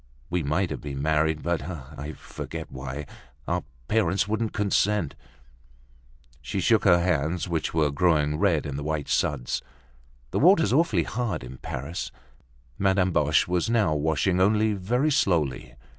We might have been married, but—I forget why—our parents wouldn't consent." She shook her hands, which were growing red in the white suds. "The water's awfully hard in Paris." Madame Boche was now washing only very slowly.